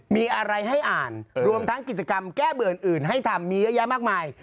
มีอะไรให้อ่านรวมทั้งกิจกรรมแก้เบื่อนอื่นให้ทำมีเยอะแยะมากมาย